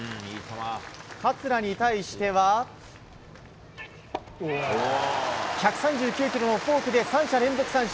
桂に対しては、１３９キロのフォークで３者連続三振。